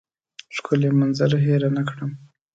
ښکلې منظره هېره نه کړم.